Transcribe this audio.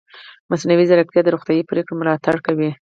مصنوعي ځیرکتیا د روغتیايي پریکړو ملاتړ کوي.